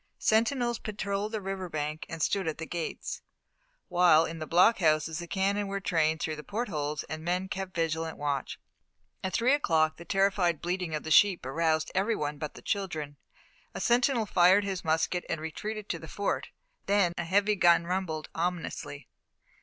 Sentinels patrolled the river bank and stood at the gates; while in the blockhouses the cannon were trained through the port holes, and men kept vigilant watch. At three o'clock the terrified bleating of the sheep aroused every one but the children. A sentinel fired his musket and retreated to the Fort, then a heavy gun rumbled ominously.